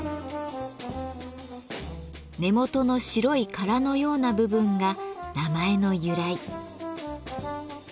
根元の白い殻のような部分が名前の由来。